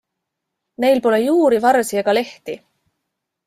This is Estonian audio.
Neil pole juuri, varsi ega lehti.